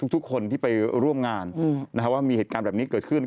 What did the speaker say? ทุกคนที่ไปร่วมงานว่ามีเหตุการณ์แบบนี้เกิดขึ้น